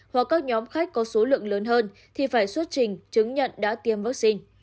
hoặc các nhóm khách có số lượng lớn hơn thì phải xuất trình chứng nhận đã tiêm vaccine